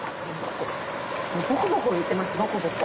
ボコボコいってますボコボコ。